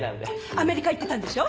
アメリカ行ってたんでしょ？